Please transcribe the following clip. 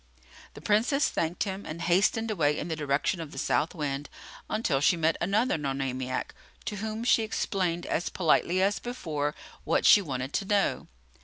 The Princess thanked him and hastened away in the direction of the South Wind until she met another Nonamiac, to whom she explained as politely as before what she wanted to know.